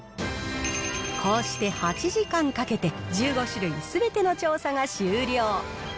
こうして８時間かけて１５種類すべての調査が終了。